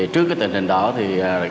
trước cái tình hình đó thì